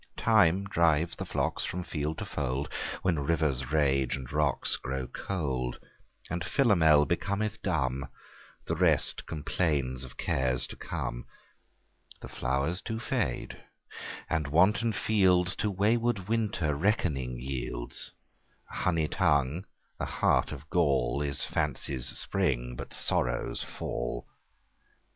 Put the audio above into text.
Time drives the flocks from field to fold, When rivers rage and rocks grow cold; And Philomel becometh dumb; The rest complains of cares to come. The flowers do fade, and wanton fields To wayward winter reckoning yields: A honey tongue, a heart of gall, Is fancy's spring, but sorrow's fall.